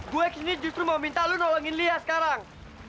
gue kesini justru mau minta lo nolongin lia sekarang